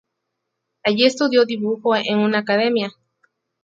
Allí estudió dibujo en una academia.